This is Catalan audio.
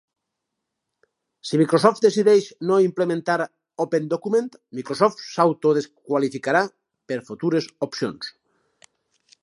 Si Microsoft decideix no implementar OpenDocument, Microsoft s'auto desqualificarà per futures opcions.